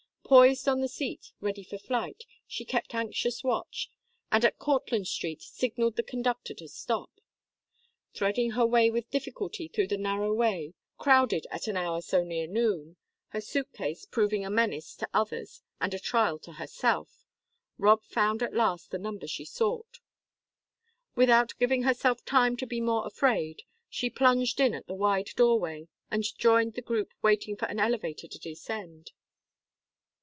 Poised on the seat, ready for flight, she kept anxious watch, and at Cortlandt Street signalled the conductor to stop. Threading her way with difficulty through the narrow way, crowded at an hour so near noon, her suit case proving a menace to others and a trial to Herself, Rob found at last the number she sought. Without giving herself time to be more afraid, she plunged in at the wide doorway, and joined the group waiting for an elevator to descend.